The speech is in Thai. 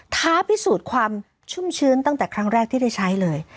ท้าพิสูจน์ความชุ่มชื้นตั้งแต่ครั้งแรกที่ได้ใช้เลย